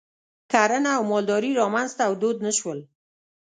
کرنه او مالداري رامنځته او دود نه شول.